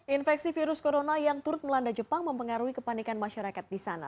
infeksi virus corona yang turut melanda jepang mempengaruhi kepanikan masyarakat di sana